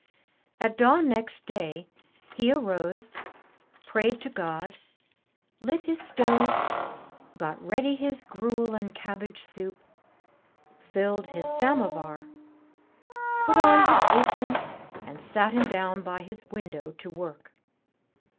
At dawn next day, he arose, prayed to God, lit his stove, got ready his gruel and cabbage soup, filled his samovar, put on his apron and sat him down by his window to work.